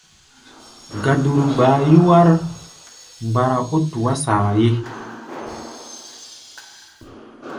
Gaduru gbaa yúwár mgbara ó tuá saayé.